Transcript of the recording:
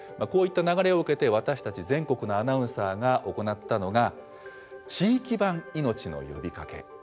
こういった流れを受けて私たち全国のアナウンサーが行ったのが「地域版命の呼びかけ」。